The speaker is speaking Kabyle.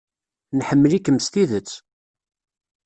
Nḥemmel-ikem s tidet.